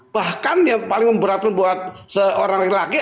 bahkan yang paling memperatkan buat seorang laki laki